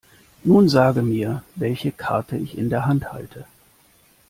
Nun sage mir, welche Karte ich in der Hand halte.